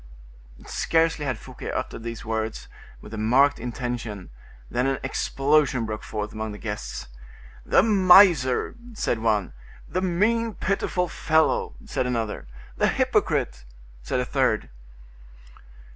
Scarcely had Fouquet uttered these words, with a marked intention, than an explosion broke forth among the guests. "The miser!" said one. "The mean, pitiful fellow!" said another. "The hypocrite!" said a third.